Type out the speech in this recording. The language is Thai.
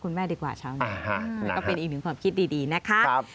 แล้วก็เป็นอีกหนึ่งความคิดดีนะครับนะครับ